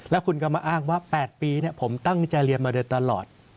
แล้วคุณก็มาอ้างว่า๘ปีผมตั้งใจเรียนมาโดยตลอด